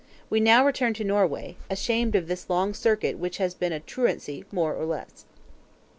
We now return to Norway, ashamed of this long circuit which has been a truancy more or less.